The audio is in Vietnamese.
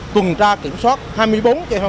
tuần tra kiểm soát hai mươi bốn h hai mươi bốn